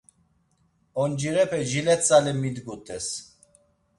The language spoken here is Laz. Oncirepe jile tzale midgut̆es.